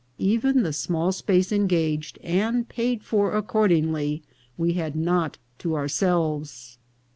Even the small place engaged, and paid for accordingly, we had not to ourselves.